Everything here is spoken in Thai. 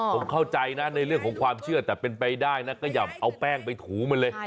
ผมเข้าใจนะในเรื่องของความเชื่อแต่เป็นไปได้นะก็อย่าเอาแป้งไปถูมันเลย